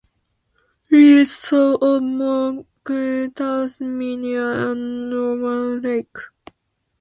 It is south of Mole Creek, Tasmania, and Rowallan Lake.